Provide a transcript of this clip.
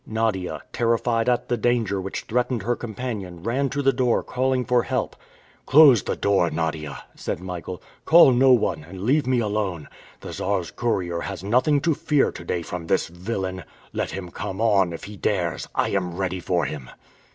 Nadia, terrified at the danger which threatened her companion ran to the door calling for help! "Close the door, Nadia!" said Michael. "Call no one, and leave me alone! The Czar's courier has nothing to fear to day from this villain! Let him come on, if he dares! I am ready for him."